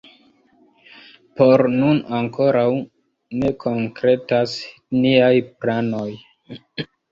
Por nun ankoraŭ ne konkretas niaj planoj.